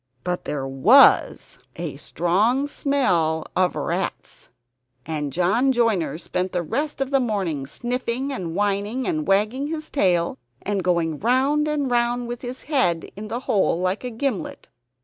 But there was a strong smell of rats; and John Joiner spent the rest of the morning sniffing and whining, and wagging his tail, and going round and round with his head in the hole like a gimlet.